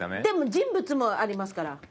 でも人物もありますから。